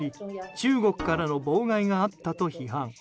中国からの妨害があったと批判。